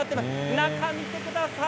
中を見てください。